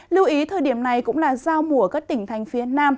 lưu ý thời điểm này cũng là giao mùa các tỉnh thành phía nam